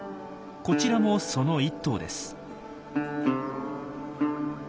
こちらもその一頭です。